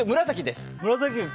紫です。